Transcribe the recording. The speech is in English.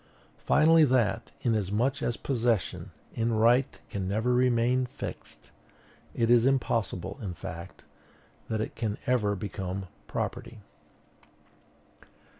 Finally, that, inasmuch as possession, in right, can never remain fixed, it is impossible, in fact, that it can ever become property.